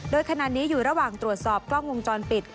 โดยขณะนี้อยู่ระหว่างตรวจสอบกล้องวงจรปิด